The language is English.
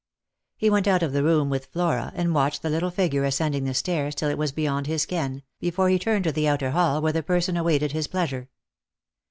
He went out of the room with Flora, and watched the little figure ascending tbt stairs till it was beyond his ken, before Lost for Love. 255 he turned to the outer hall where the peison awaited his pleasure.